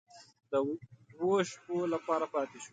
د دوو شپو لپاره پاتې شوو.